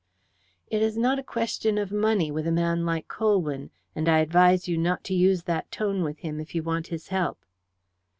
"It is not a question of money with a man like Colwyn, and I advise you not to use that tone with him if you want his help."